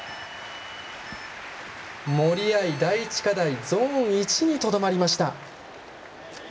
森秋彩、第１課題ゾーン１にとどまりました。